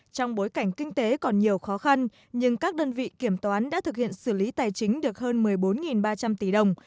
trong bối cảnh kinh tế còn nhiều khó khăn nhưng các đơn vị kiểm toán đã thực hiện xử lý tài chính được hơn một mươi bốn ba trăm linh tỷ đồng